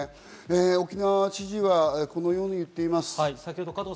沖縄知事はこのように言っています。